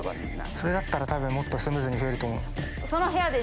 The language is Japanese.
それだったら多分もっとスムーズに増えると思う。